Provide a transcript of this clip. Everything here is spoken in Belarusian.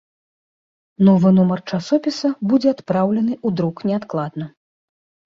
Новы нумар часопіса будзе адпраўлены ў друк неадкладна.